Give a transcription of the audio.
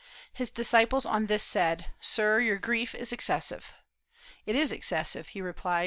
His disciples on this said, "Sir, your grief is excessive." "It is excessive," he replied.